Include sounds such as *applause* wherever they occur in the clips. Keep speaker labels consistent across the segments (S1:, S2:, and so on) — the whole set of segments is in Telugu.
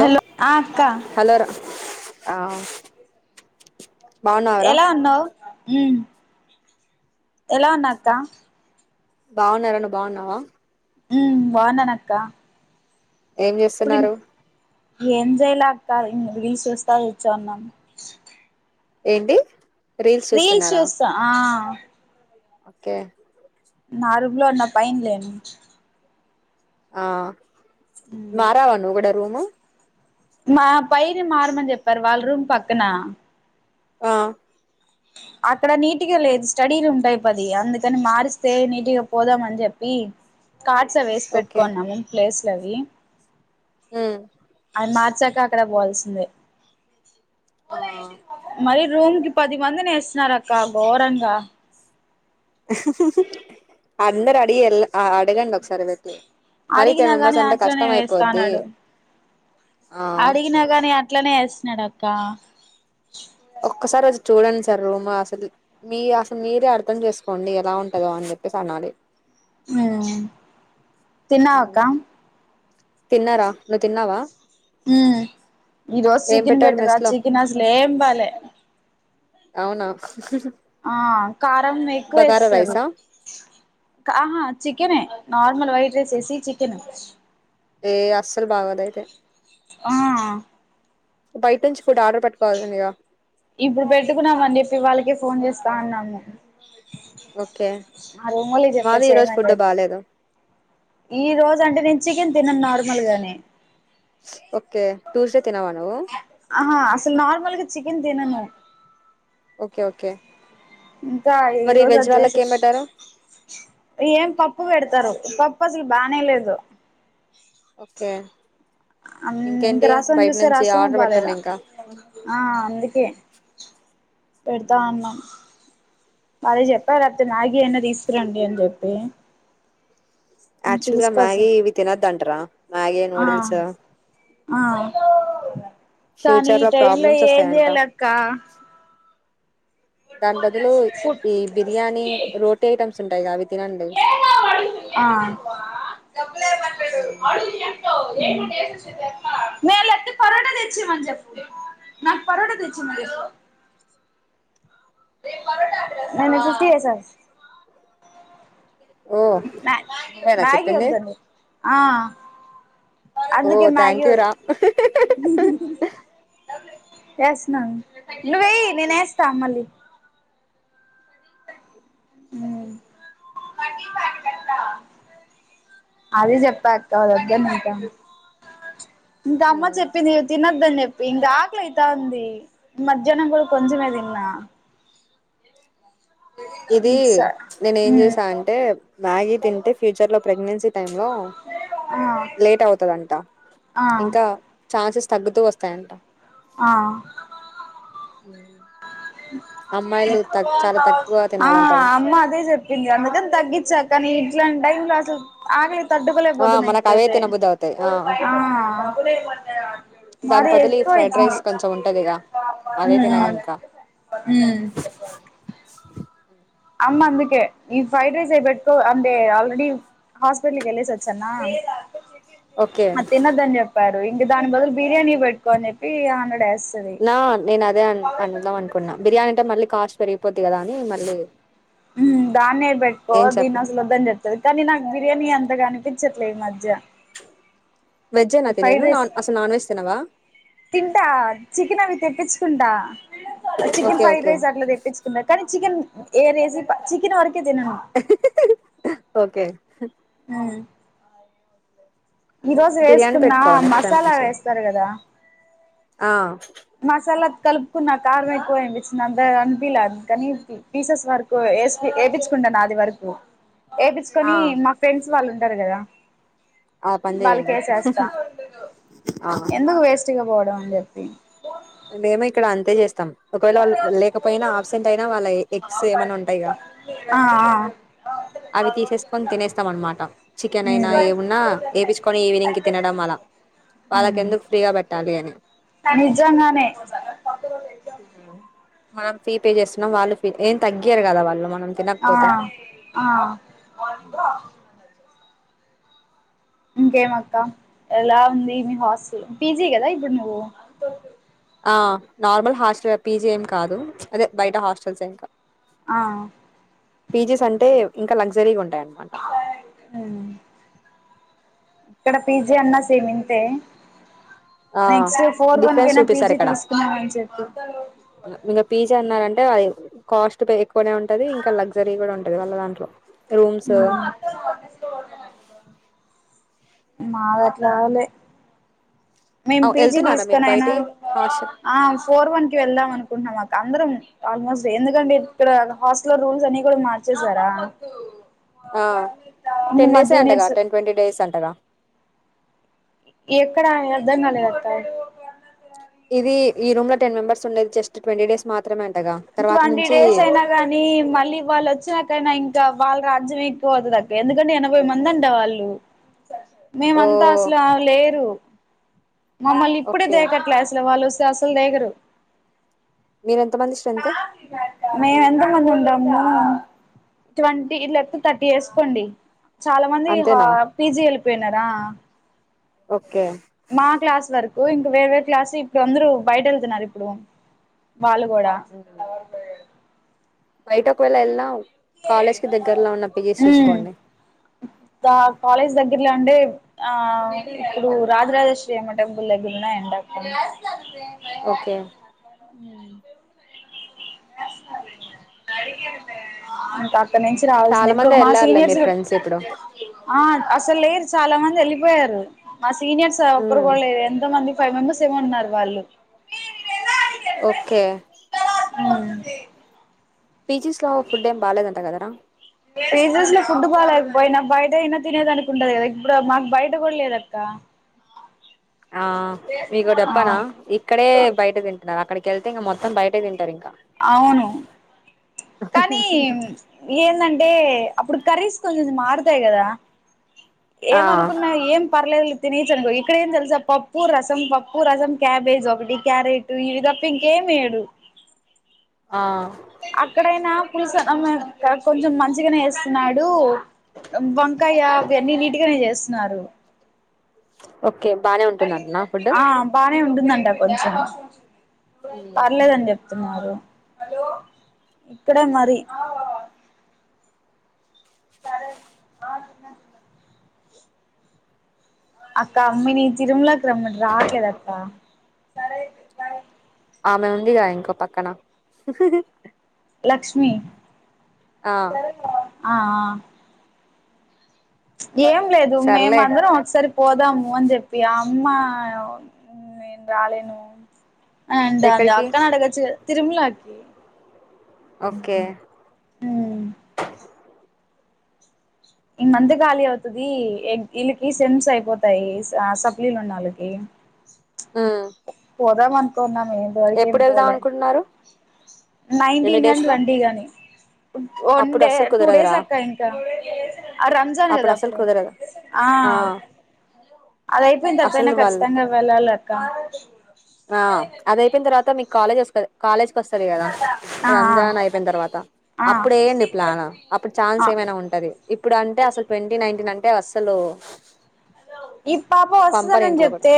S1: హలో ఆ అక్క
S2: హలో రా ఆ బాగున్నావరా
S1: ఎలా ఉన్నావ్ ఉం ఎలా ఉన్నాక్కా
S2: బాగున్నార నువ్ బాగున్నావా
S1: ఉం బాగున్నానక్కా
S2: ఏం చేస్తున్నారు
S1: ఏం చేయలే అక్కా రీల్స్ చూస్తా కూర్చొన్నా
S2: ఏంది
S1: రీల్ చూస్త ఆ
S2: ఓకే
S1: నా రూమ్ లో ఉన్న పైన్లేను
S2: ఆ మారవ నువ్ కూడ ఏమి
S1: మా పైనే మారమని చెప్పారు వాళ్ళ రూమ్ పక్కన
S2: ఆ
S1: అక్కడ నీట్గా లేదు స్టడీ రూమ్ టైప్ అది అందుకని మారిస్తే నీట్గా పోదామని చెప్పి కార్డ్స్ అవి ఎసి
S2: ఓకే
S1: పెట్టుకున్నాము ప్లేస్ లవి
S2: హమ్
S1: అది మార్చాక అక్కడ పోవాల్సిందే
S2: ఆ
S1: మరి రూమ్ కి పది మందిని ఎస్తున్నారు అక్క ఘోరంగా
S2: హు అందరు అడి ఎల్ ఆ అడగండి ఒకసారి పెట్టి మరీ
S1: అడిగినా
S2: టెన్
S1: గాని
S2: మెంబర్స్ అంటే కష్టం అయిపోద్ది ఆ
S1: అడిగిన గాని అట్లనే న్నాడు అక్క
S2: ర్ రూమ్ అసలు, మీ అసలు మీరే అర్థం చేసుకోండి ఎలా ఉంటందో అని చెప్పేసి అనాలి.
S1: ఉ తిన్నవా అక్క
S2: తిన్నర నువ్వు తిన్నావా
S1: ఉ ఈరోజు
S2: ఏం
S1: చికెన్
S2: పెట్టారు
S1: పెట్టరా
S2: మెస్
S1: చికెన్ అసలు ఏం బాలే
S2: అవున
S1: ఆ కారం ఎక్కువ యేసేసారు
S2: రైసా
S1: ఆహా చికెనే నార్మల్ వైట్ రైస్ ఎసి చికెన్
S2: ఏ అస్సలు బాగోదు అయితే
S1: ఆ
S2: బయట నుంచి ఫుడ్ ఆర్డర్ పెట్టుకోవలసిందిగా
S1: ఇప్పుడు పెట్టుకున్నామ అని చెప్పి వాళ్ళకే ఫోన్ చేస్తా అన్నాము
S2: ఓకే
S1: ఆ రూమోలి
S2: మాది ఈ రోజు
S1: చెప్పేసేయమని
S2: ఫుడ్
S1: చెప్పి
S2: బాలేదు
S1: ఈ రోజు అంటే నే చికెన్ తినను నార్మల్ గానే
S2: ఓకే టూస్డే తినవ నువ్వు
S1: ఆ అసలు నార్మల్గా చికెన్ తినను
S2: ఓకే ఓకే
S1: ఇంకా ఈ
S2: మరి
S1: రోజు
S2: వెజ్ వాళ్ళకి
S1: వచ్చేసి
S2: ఏం పెట్టారు
S1: ఏం పప్పు పెడతారు పప్పు అసలు బానే లేదు
S2: ఓకే
S1: ఇంకా
S2: ఇంకేంటి
S1: రసం
S2: బయట
S1: చూస్తే
S2: నుంచి
S1: రసం
S2: ఆర్డర్ పెట్టండి
S1: బాాలేదా
S2: ఇంకా
S1: ఆ అందుకే పెడతా అన్నాం వాళ్ళే చెప్పారు అంతే మ్యాగీ అయిన తీసుకురండి అని చెప్పి
S2: యాక్చువల్ గా
S1: తీసుకొస్తా
S2: మ్యాగీ ఇవి తినొద్ద అంటరా మ్యాగీ
S1: ఆ
S2: నూడిల్స్
S1: ఆ కానీ
S2: ఫ్యూచర్
S1: ఈ టైమ్ లో
S2: ప్రాబ్లమ్స్
S1: ఏం
S2: వస్తాయంట
S1: చేయలక్క
S2: దాని బదులు ఈ బిర్యానీ
S1: ఫుడ్
S2: రోటీ ఐటమ్ చుంటాయి గా అవి తినండి
S1: ఆ నేలతే పరోట తెచ్చిమని చెప్పు నాకు పరోట తెచ్చిమనీ చెప్పు నాకు పరోటా తెచ్చి నేను నీకు ఫిఫ్టీ వేస
S2: ఓ
S1: మ్యా
S2: నువ్వేనా
S1: మ్యాగీ
S2: చెప్పింది
S1: వద్దండి ఆ
S2: ఓ
S1: అందుకే మ్యాగీ
S2: థ్యాంక్ యూ
S1: వోద్
S2: రా
S1: ఎస్నా నువ్వు వె్య నేనే వేస్తా మళ్ళీ హామ్ అది చెప్పాక్క అంటాను ఇంకా అమ్మ చెప్పింది తినద్ ని చెప్పి ఇంకా ఆకలి అయిత ఉంది మధ్యాహ్నం కూడా కొంచమే తిన్నా
S2: ఇది నేను ఏం
S1: స
S2: చేశా అంటే మ్యాగీ తింటే ఫ్యూచర్లో ప్రెగ్నెన్సీ టైంలో
S1: ఆ
S2: లేట్ అవుతుందంట
S1: ఆ
S2: ఇంకా ఛాన్సెస్ తగ్గుతూ వస్తాయంట
S1: ఆ
S2: ఉ
S1: ఆ
S2: తినాలంటవి
S1: అమ్మ అదే చెప్పింది అందుకని తగ్గించా కానీ ఇట్లాంటి టైమ్ లో అసలు ఆక
S2: ఆ
S1: తడ్డుకులేైపోతున్నాయి
S2: మనకు అవే
S1: ఇప్పుడైతే
S2: తినబుద్ధి అవుతాయి ఆ దాని
S1: మరి
S2: బదులు ఈ ఫ్రైడ్
S1: ఎక్కువయితుంది
S2: రైస్ కొంచెం ఉంటదిగా అదే తినండి
S1: హమ్మ్
S2: ఇంకా
S1: హుమ్
S2: ఆ
S1: అమ్మా అందుకే ఈ ఫ్రైడ్ రైస్ అయి పెట్టుకో అందే ఆల్రెడీ హాస్పిటల్కి వెళ్ళేసి వచ్చన్న
S2: ఓకే
S1: అది తినోద్ అని చెప్ ఇంకా దాని బదులు బిర్యానీ పెట్టుకో అని చెప్పి హండ్రెడ్ వేస్తది
S2: నా నేను అదే అ అదాం అనుకున్నా బిర్యానీ అంటే మళ్ళీ కాస్ట్ పెరిగిపోద్ది కదా అని మళ్ళీ
S1: దాన్నే పెట్టుకో
S2: ఏం చెప్పు
S1: దీన్ని అసలు వద్దని చెప్తుంది కానీ నాకు బిర్యానీ అంత కనిపించట్లేదు ఈ మధ్య
S2: వెజ్ నేనా తినేను నాన్ అసలు నాన్ వెజ్ తినవా
S1: తింటాం చికెన్ అవి తెప్పించుకుంటా chicken
S2: okay
S1: fried
S2: okay
S1: rice అట్లా తెప్పించుకుందా కానీ చికెన్ ఏ రేజి చికెన్ వరకు
S2: ఓకే హ్
S1: హ్మ్ ఈ రోజు
S2: బిర్యానీ
S1: వేసుకున్న
S2: పెట్టుకో నెక్స్ట్ టైం
S1: మసాలా
S2: నుంచి
S1: వేస్తారు కదా
S2: ఆ
S1: మసాలా కలుపుకున్న కారం ఎక్కువ ఏనిపించింది అందరు అనిపిలే కానీ పీసెస్ వరకు వ వపించుకుంటాను అది వరకు
S2: ఆ
S1: వేపించుకొని మా ఫ్రెండ్స్ వాళ్ళు ఉంటారు కదా
S2: ఆ పని
S1: వాళ్ళకి
S2: చేయండి
S1: చేస్తా
S2: ఆ
S1: ఎందుకు వేస్ట్ గా పో అని చెప్పి సా
S2: మేము ఇక్కడ అంతే చేస్తాం ఒకవేళ వాళ్ళు లేకపోయినా ఆబ్సెంట్ అయినా వాళ్ళ ఎగ్స్ ఏమైన్నా ఉంటాయి
S1: ఆ ఆ
S2: అవి తీసేసుకొని తినేస్తాం అనమాట చికెన్
S1: ఉమ్
S2: అయినా ఏమున్నా వపించుకొని ఈవినింగ్ కి తినడం అలా వాళ్ళకి ఎందుకు ఫ్రీగా పెట్టాలి అని
S1: నిజంగా నిజంగానే
S2: మనం ఫీ పే చేస్తున్నాం వాళ్ళు ఫీ ఏం తగ్గయారు కదా వాళ్ళు మనం
S1: ఆ
S2: తినకపోతే
S1: ఆ ఇంకేం అక్క ఎలా ఉంది మీ హాస్టల్ పీజీ కదా ఇప్పుడు నువ్వు
S2: ఆ నార్మల్ హాస్టల్ పీజి ఏం కాదు అదే బయట హాస్టల్స్ ఇంకా
S1: ఆ
S2: పీజీస్ అంటే ఇంకా లగ్జరీగా ఉం ఉంటాయి అనమాట
S1: ఇక్కడ పిజి అన్నా సేమ్ ఇంతే
S2: ఆ
S1: నెక్స్ట్ ఫోర్ వన్
S2: డిఫరెన్స్
S1: కైనా
S2: చూపిస్తారు
S1: పీజీ
S2: ఇక్కడ
S1: తీసుకున్నామని చెప్పి
S2: ఇకా పీజీ అన్నారంటే అంటే అది కాస్ట్ ఎక్కువనే ఉంటాది ఇంకా లగ్జరీ కూడా ఉంటాది వాళ్ళ దాంట్లో రూమ్స్
S1: హ్మ్ మావి అట్లా కాదులే మేం పిజీ
S2: వెళ్తున్నారా మీరు
S1: తీసుకునియినా
S2: బయటి హాస్టల్
S1: ఫోర్ వన్ కి వెళ్దాం అను *inaudible* మా అందరం ఆల్మోస్ట్ ఎందుకంటే ఇక్కడ హాస్టల్ రూల్స్ అన్ని కూడా మార్చేశారా.
S2: ఆ టెన్ డేసే అంటగా టెన్ ట్వంటీ డేస్ అంటగా.
S1: ఎక్కడ అని అర్థం కాలేదు అక్క
S2: ఇది ఈ రూమ్ లో టెన్ మెంబర్స్ ఉండేది జస్ట్ ట్వంటీ డేస్ మా
S1: ట్వంటీ డేస్ అయినా కానీ మళ్ళీ వాళ్ళ వచ్చినాకైనా ఇంకా వాళ్ళ రాజ్యమే ఎక్కువ అవుతదక్క ఎందుకంటే ఎనభై మంది అంటే వాళ్ళు.
S2: ఓ
S1: మేమంతా అసలు లేరు మమ్మల్ని ఇప్పుడే
S2: ఓకే
S1: దేకట్లే అసలు వాళ్ళు అసల్
S2: మీరెంత మంది స్ట్రెంత్
S1: *unintelligible* మే ఎంత మంది ఉంటామ్. ట్వంటీ లేకపోతే థర్టీ వేసుకోండి చాలా మంది
S2: అంతేనా
S1: పీజీ వెళ్ళిపోయినారా
S2: ఓక
S1: మా క్లాస్ వర్క్ ఇంక వేర వేరు క్లాస్ ఇప్పుడు అందరుూ బయట వెళ్తున్నారు ఇప్పుడు వాళ్ళు కూడా
S2: బయటక్ ఎల్ ఎలావు కాలేజ్కి దగ్గరలో ఉన్న పిజీస్
S1: ఉమ్
S2: చూసుకోండి
S1: కాలేజ్ దగ్గర్లో అంటే ఆ ఇప్పుడు రాజరాజేశ్రీ అమ్మ టెంపుల్ దగ్గర ఉంటాయి అక్క.
S2: ఓకే
S1: అడి అంత ఇక్కడ నుంచి రావాల్సింది
S2: చాలా
S1: ఇప్పుడు
S2: మంది
S1: ఒక మా
S2: వెళ్ళారులే
S1: సీనియర్స్
S2: మీ
S1: కూడా
S2: ఫ్రెండ్స్ ఇప్పుడు
S1: ఆ అసలు లేదు చాలా మంది వెలి యారు మా సీనియర్స్ ఒక్కరు
S2: ఉమ్
S1: కూడా లేరు ఎంతో మంది ఫైవ్ మెంబర్స్ ఏమో ఉన్నారు వాళ్ళు
S2: ఓకే
S1: ఆ
S2: పీజీస్ లో ఫుడ్ ఏం బాలేదంట కదరా
S1: పిజి లో ఫుడ్ బాగాలేకపోయినా బయట అయినా తినేకి ఉంటది కదా ఇప్పుడు మాకు బయట కూడా లేదక్క
S2: ఆ మీకు ఒకటి
S1: ఆ
S2: చెప్పనా ఇక్కడే బయట తింటున్నా అక్కడికి వెళ్తే మొత్తం బయట తింటరు ఇక
S1: అవును కానీ ఎందంటే అప్పుడు కర్రీస్ కొంచెం మారుతాయి కదా
S2: ఆ
S1: ఏమనుకున్నా ఏం పర్లేదు తినచంకో ఇక్కడ ఏం తెలుసా పప్పు రసం పప్పు రసం క్యాబేజ్ ఒకటి క్యారెట్ ఇవి తప్ప ఇంకేమేయడు
S2: ఆ
S1: అక్కడైనా పులసమ్ కొంచెం మంచిగానే వేస్తున్నాడు వంకాయ అవి అన్నీ నీటికనే చేస్ న్నారు
S2: ఓకే ఓకే బాగానే ఉంటుందంటాన ఫుడ్
S1: నే ఉంటుందట కొంచం పర్లేదని చెప్తున్నారు హలో ఇక్కడే మరి సారే ఆ స అక్క అమ్మని తిరుమల రమ్మంట రావట్లేదప్పా సరే బాయ్
S2: ఆమె ఉందిగా ఇంకో పక్కన
S1: లక్ష్మి
S2: ఆ
S1: సరే ఆ ఆ ఏం లేదు మేమ
S2: సర్లే
S1: అందరం ఒకసారి పోదాము అని చెప్పయా అమ్మా నేను రాలేను అని అంటంది
S2: ఎక్కడికి
S1: అక్కనాడుగోచుగాధ్ తరుమల తి
S2: ఓకే
S1: మ్మ్ ఇ మంత్ ఖాళీ అవుతది ఎగ్ వీళ్ళకి సెమ్స్ అయిపోతాయి ఆ సప్లీలు ఉన్న వాళ్ళకి
S2: ఉమ్
S1: పోదామా కొన్నా
S2: ఎప్పుడు వెళ్దాం అనుకుంటున్నారు ఎన్ని
S1: నైన్టీన్ కాని
S2: డేస్ లో
S1: ట్వంటీ కాని వన్
S2: అప్పుడు
S1: డే
S2: అస్సలు
S1: టూ డేస్
S2: కుదరదురా
S1: అక్క ఇంకా రంజాన్ కదా
S2: అస్సలు
S1: అప్పుడు
S2: కుదరదు
S1: ఆ అదైపోయిన తర్వాతైన
S2: అసలు వాళ్ళు
S1: ఖచ్చితంగా వెళ్లాలక్క
S2: ఆ అది అయిపోయిన తర్వాత మీ కాలేజ్ వస్ *unintelligible* కాలేజ్ వస్తాది కదా
S1: ఆ
S2: రంజాన్ అయిపోయిన తర్వాత
S1: ఆ
S2: అప్పుడేయండి ప్లాన్ అప్పుడు
S1: ఆ
S2: ఛాన్స్ ఏమైనా ఉంటది ఇప్పుడు అంటే అసలు ట్వంటీ నైన్టీన్ అంటే టే అస్సలు
S1: ఈ పాప
S2: పంపరు
S1: వస్తుందన్
S2: ఇంట్లో కూడా
S1: చెప్తే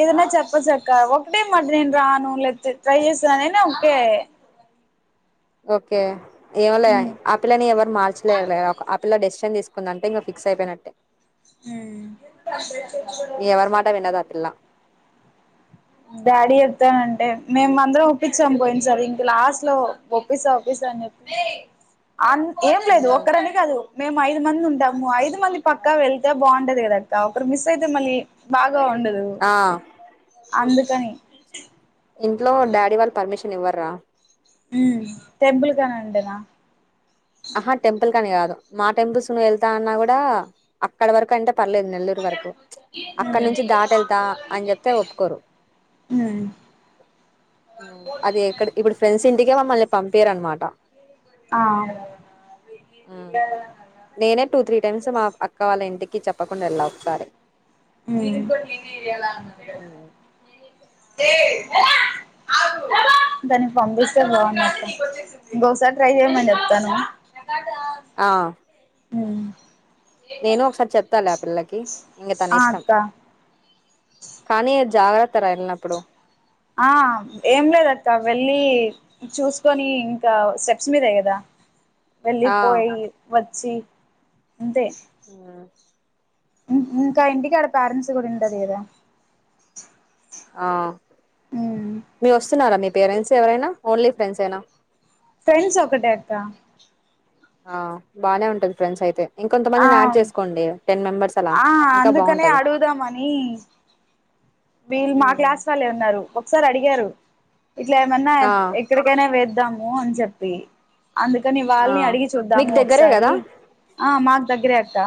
S1: ఏదన్నా చెప్ చూసాక ఒకటే మాట నేను రాను *unintelligible* ట్రై చేస్త నేను ఒకే
S2: ఓకే ఏమో లే ఆపిల్ల ని ఎవరు మార్చలేరులే ఒక ఆ పిల్ల డెసిషన్ తీసుకు కుంది అంటే ఇంకా ఫిక్స్ అయిపోయినట్టే ఎవరి మాట వినదు ఆ పిల్ల
S1: మ్మ్ డాడీ చెప్తానంటే మేము అందరం ఒప్పించాం పోయిన సార్ ఇంక లాస్ట్ లో ఒప్పిస్తా ఒప్పిస్తా అని చెప్పి అ ఏం లేదు
S2: ఉమ్,
S1: ఒక్కరని కాదు మేము ఐదు మంది ఉంటాము ఐదు మంది పక్కా వెళ్తే బాగుంటది కదక్క ఒకరు మిస్ అయితే మళ్ళీ బాగ్ గా ఉండదు
S2: ఆ
S1: అందుకని
S2: ఇంట్లో డాడీ వాళ్ళు పర్మిషన్ ఇవ్వర్రా
S1: మ్మ్ టెంపుల్ కనంటేనా
S2: ఆహా టెంపుల్ కని కాదు మా టెంపుల్స్ ను వెళ్తా అన్నా కూడా అక్కడ వరకు అంటే పర్లేదు నెల్లూరు వరకు అక్కడ నుంచి దాటెళ్తా అని చెప్తే ఒప్పుకోరు అది ఎక్కడ్ ఇప్పుడు ఫ్రెండ్స్ ఇంటికే మమ్మల్ని పంపీరనమాట
S1: ఆ
S2: ఆ నేనే టూ త్రీ టైమ్స్ మా అక్క వాళ్ళ ఇంటికి కి చెప్పకుండా వెళ్ళా ఒకసారి
S1: మ్మ్
S2: ఉమ్.
S1: దానికి పంపిస్తే బాగున్నాక ఇంకోసారి ట్రై చేయమని చెప్తాను
S2: ఆ
S1: మ్మ్
S2: నేను ఒకసారి చెప్తాలలే ఆ పిల్లకి ఇంగ తన
S1: ఆ
S2: ఇష్టం
S1: అక్క
S2: కానీ జాగ్రత్తరా ఎల్లినప్పుడు
S1: ఆ ఏం లేదక్క వెళ్ళి చూసుకొని ఇంకా స్టెప్స్ మీదే కదా
S2: ఆ
S1: వెళ్ళిపోయి వ చ్చి అంతే
S2: ఆ
S1: ఇంటి కాడ ప్యారెంట్స్ కూడా ఉంటది కదా
S2: ఆ
S1: ఉమ్
S2: మీ వస్తున్నారా మీ పేరెంట్స్ ఎవరైనా ఓన్లీ ఫ్రెండ్స్ అయినా
S1: ఫ్రెండ్స్ ఒకటే అక్క
S2: ఆ బానే ఉంటది ఫ్రెండ్స్ అయితే ఇంకొంత మందిని యాడ్
S1: ఆ
S2: చేసుకోండి టెన్ మెంబర్స్ అలా
S1: ఆ
S2: ఇంకా
S1: అందుకనే
S2: బాగుంటది
S1: అడుగుదామని వీళ్ళు మా క్లాస్ వాళ్ళే ఉన్నారు ఒ ఒకసారి అడిగారు ఇట్లా ఏమన్నా
S2: ఆ
S1: ఎక్కడికైనా వేద్దాం నో అని చెప్పి అందుకని
S2: ఆ
S1: వాళ్ళని అడిగి
S2: మీకు
S1: చూద్దాము
S2: దగ్గరే కదా
S1: ఒకసారి ఆ మాక్ దగ్గరే అక్క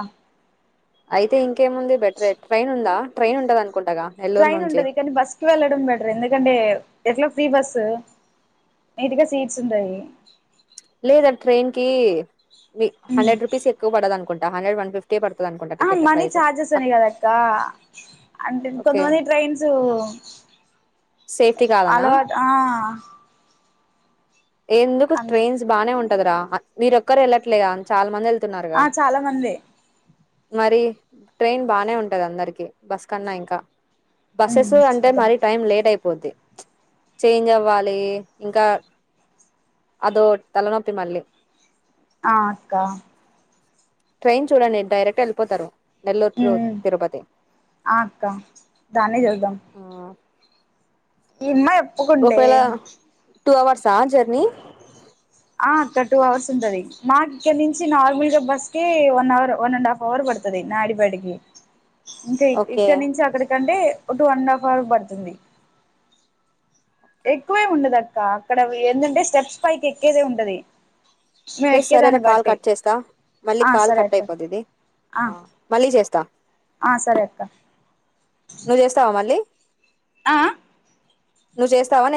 S2: అయితే ఇంకేముంది బెటరె ట్రైన్ ఉందా ట్రైన్ ఉంటాదానికి
S1: ట్రైన్ ఉంటది కానీ బస్ కి వెళ్ళడం బెటర్ ఎందుకంటే ఎట్లా ఫ్రీ బస్సు నీట్గా సీట్స్ ఉంటాయి
S2: లేదండి ట్రైన్ కి మీ
S1: ఉమ్
S2: హండ్రెడ్ రూపీస్ ఎక్కువ పడదు అనుకుం హండ్రెడ్ వన్ ఫిఫ్
S1: ఆ మనీ చార్జెస్ అని కాదు అక్క అంటే
S2: ఓకే
S1: కొంతమంది ట్రైన్స్
S2: సేఫ్టీ కాదనా
S1: అలవాటు ఆ
S2: ఎందుకు
S1: అ
S2: ట్రైయిన్స్ బానే ఉం కదరా మీరు ఒక్కరు ఎళ్ళట్లేగా చాల మంది ఎళ్
S1: ఆ చాలా మందే
S2: మరి ట్రైన్ బానే ఉంటది అందరికి బస్ కన్నా ఇంకా
S1: ఉమ్
S2: బస్సెస్ అంటే
S1: చూద్దాం
S2: మరి టైం లేట్ అయి పోద్ది చేంజ్ అవ్వాలి ఇంకా అదో తలనొప్పి మళ్ళీ
S1: ఆ అక్క
S2: ట్రైన్ చూడండి డైరెక్ట్ ఎళ్ళిపోతారు
S1: ఊమ్ ఆ అక్క దానే చూద్దాం
S2: ఆ
S1: *unintelligible* ఉమ్మేప్ ఒప్పుకుంటే
S2: ఒకవేళ టూ అవర్స్ ఆ జర్నీ
S1: ఆ అక్క టూ అవర్స్ ఉంటది మాకు ఇక్కడ నుంచి నార్మల్గా బస్ కి one hour one and half hour పడుతది నాయుడుపేటకి ఇంకా ఇక్
S2: ఓకే
S1: ఇక్కడ నుంచి అక్కడికంటే ఇం two one and half hour బడుతుంది ఎక్కువేం ఉండదు అక్క అక్కడ ఏందంటే స్టెప్స్ పైకి ఎక్కేదే ఉంటది మేము
S2: ఏ సరేరా
S1: ఎక్కేదాన్ని
S2: కాల్
S1: బట్టి
S2: కట్ చేస్తా మళ్ళీ
S1: ఆ
S2: కాల్
S1: సరే
S2: కట్
S1: అక్క
S2: అయిపోదిది
S1: ఆ
S2: మళ్ళీ చేస్తా
S1: ఆ సరే అక్క
S2: నువ్వు చేస్తావా మళ్ళీ
S1: ఆ ఆ
S2: నువ్వు చేస్తావ నేన్